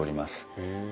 へえ。